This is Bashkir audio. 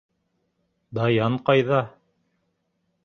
Даян ҡайҙа?